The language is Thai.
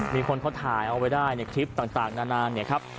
มีคนเขาถ่ายเอาไว้ได้ในคลิปต่างนานเนี่ยครับ